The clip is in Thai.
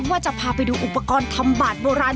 ว่าจะพาไปดูอุปกรณ์ทำบาดโบราณ